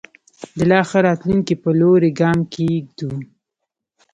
د لا ښه راتلونکي په لوري ګام کېږدو.